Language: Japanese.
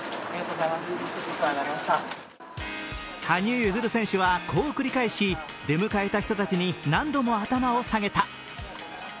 羽生結弦選手はこう繰り返し、出迎えた人たちに何度も頭を下げた。